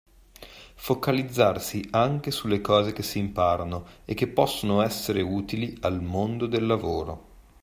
Focalizzarsi anche sulle cose che si imparano e che possono essere utili al mondo del lavoro